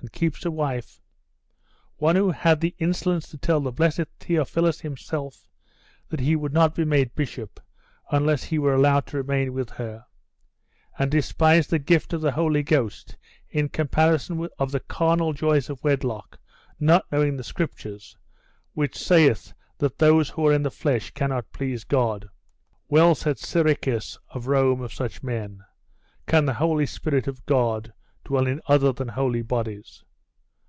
and keeps a wife! One who had the insolence to tell the blessed Theophilus himself that he would not be made bishop unless he were allowed to remain with her; and despised the gift of the Holy Ghost in comparison of the carnal joys of wedlock, not knowing the Scriptures, which saith that those who are in the flesh cannot please God! Well said Siricius of Rome of such men "Can the Holy Spirit of God dwell in other than holy bodies?"